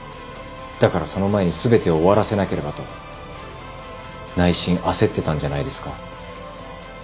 だからその前に全てを終わらせなければと内心焦ってたんじゃないですか？